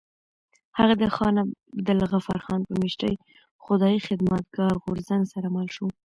هغه د خان عبدالغفار خان په مشرۍ خدایي خدمتګار غورځنګ سره مل شو.